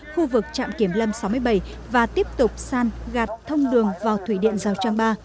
khu vực trạm kiểm lâm sáu mươi bảy và tiếp tục san gạt thông đường vào thủy điện giao trang ba